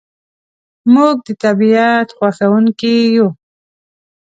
موږ د طبیعت خوښونکي یو.